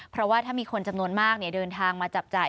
เพราะว่าถ้ามีคนจำนวนมากเดินทางมาจับจ่าย